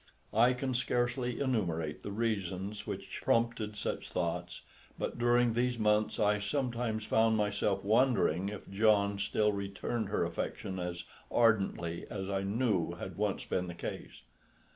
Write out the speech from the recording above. I can scarcely enumerate the reasons which prompted such thoughts, but during these months I sometimes found myself wondering if John still returned her affection as ardently as I knew had once been the case.